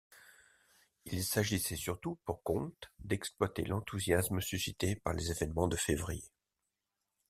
Il s'agissait surtout pour Comte d'exploiter l'enthousiasme suscité par les événements de février.